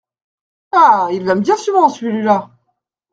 Ah ! il vient bien souvent, celui-là !